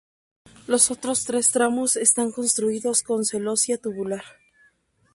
Los otros tres tramos están construidos con celosía tubular.